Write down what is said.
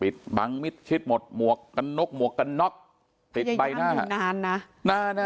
ปิดบังมิดชิดหมดหมวกกันนกหมวกกันนกปิดใบหน้าพยายามอยู่นานน่ะ